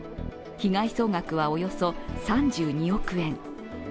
被害総額はおよそ３２億円。